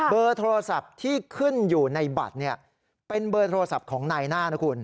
เบอร์โทรศัพท์ที่ขึ้นอยู่ในบัตรเป็นเบอร์โทรศัพท์ของนายหน้านะคุณ